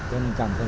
cho nên cầm thôi